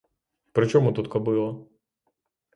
При чому тут кобила?